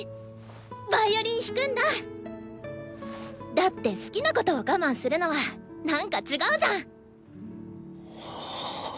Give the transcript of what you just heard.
だって好きなことを我慢するのはなんか違うじゃん！